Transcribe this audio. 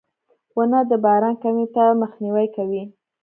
• ونه د باران کمي ته مخنیوی کوي.